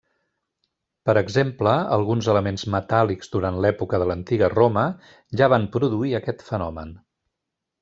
Per exemple, alguns elements metàl·lics durant l'època de l'Antiga Roma ja van produir aquest fenomen.